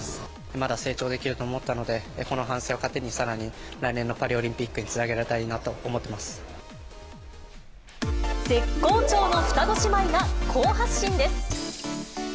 まだ成長できると思ったので、この反省を糧に、さらに来年のパリオリンピックにつなげられたらいいなと思ってい絶好調の双子姉妹が好発進です。